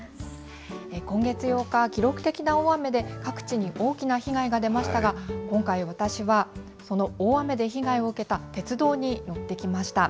今月８日、記録的な大雨で、各地に大きな被害が出ましたが、今回、私はその大雨で被害を受けた鉄道に乗ってきました。